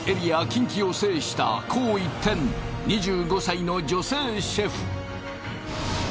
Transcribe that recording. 近畿を制した紅一点２５歳の女性シェフ